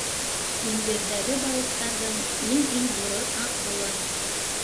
Диңгеҙҙәге балыҡтарҙың Иң-иң ҙуры — акула.